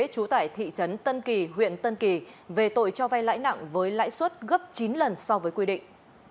trú tại thị trấn tân kỳ huyện tân kỳ về tội cho vay lãi nặng với lãi suất gấp chín lần so với quy định